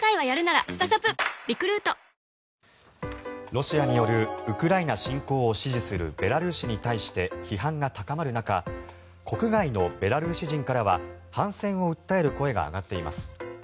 ロシアによるウクライナ侵攻を支持するベラルーシに対して批判が高まる中国外のベラルーシ人からは反戦を訴える声が上がっています。